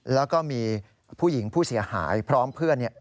แล้วก็มีผู้หญิงผู้เสียหายพร้อมเพื่อน